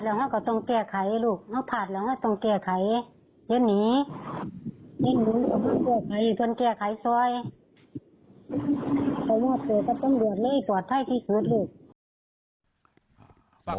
เรามาตรวจให้พี่คืบ๔๖